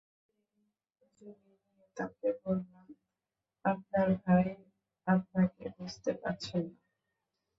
সেই সুযোগ নিয়ে তাকে বললাম, আপনার ভাই আপনাকে বুঝতে পারছেন না।